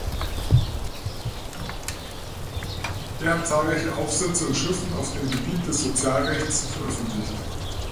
Er hat zahlreiche Aufsätze und Schriften auf dem Gebiet des Sozialrechts veröffentlicht.